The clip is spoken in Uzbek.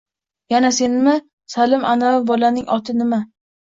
Yana senmi, Salim, anavi bolaning oti nima?